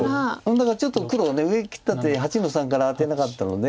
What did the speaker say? だからちょっと黒上切った手８の三からアテなかったので。